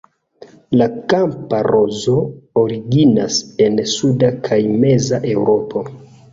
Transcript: La kampa rozo originas en suda kaj meza Eŭropo.